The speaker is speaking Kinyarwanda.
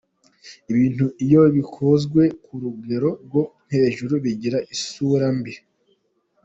Ibintu iyo bikozwe ku rugero rwo hejuru bigira isura mbi.